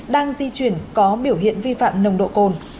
đang di chuyển có biểu hiện vi phạm nồng độ cồn